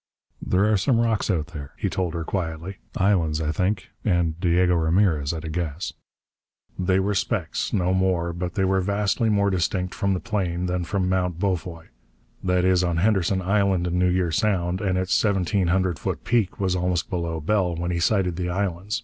"There are some rocks out there," he told her quietly. "Islands, I think, and Diego Ramirez, at a guess." They were specks, no more, but they were vastly more distinct from the plane than from Mount Beaufoy. That is on Henderson Island in New Year Sound, and its seventeen hundred foot peak was almost below Bell when he sighted the islands.